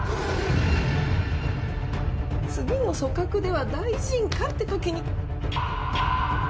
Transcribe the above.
次の組閣では大臣かって時に。